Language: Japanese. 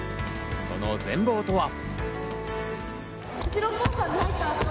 その全貌とは。